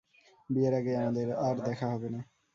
বিয়ের আগে আমাদের আর দেখা হবে না।